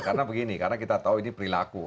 karena begini karena kita tahu ini perilaku